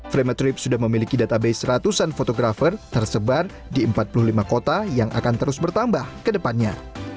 fremetrip sudah memiliki database ratusan fotografer tersebar di empat puluh lima kota yang akan terus bertambah kedepannya